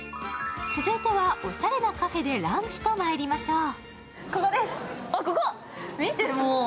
続いては、おしゃれなカフェでランチとまいりましょう。